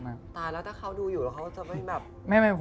แล้วถ้าเขาดูอยู่เขาจะไม่แบบ